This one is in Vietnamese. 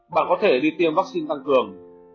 bạn có thể đi tiêm vaccine tăng cường